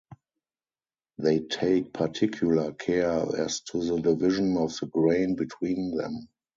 They take particular care as to the division of the grain between them.